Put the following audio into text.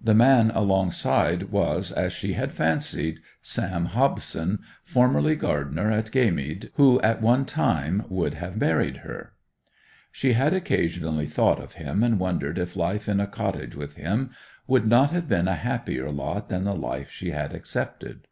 The man alongside was, as she had fancied, Sam Hobson, formerly gardener at Gaymead, who would at one time have married her. She had occasionally thought of him, and wondered if life in a cottage with him would not have been a happier lot than the life she had accepted.